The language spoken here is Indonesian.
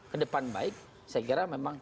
kedepan baik saya kira memang